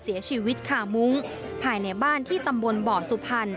เสียชีวิตคามุ้งภายในบ้านที่ตำบลบ่อสุพรรณ